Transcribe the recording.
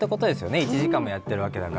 １時間もやってるわけだから。